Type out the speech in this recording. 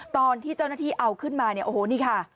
ตอนที่เจ้าหน้าที่เอาขึ้นมาเนี่ยโอ้โหนี่ค่ะ